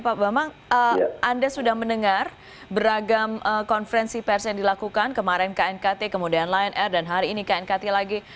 pak bambang anda sudah mendengar beragam konferensi pers yang dilakukan kemarin knkt kemudian lion air dan hari ini knkt lagi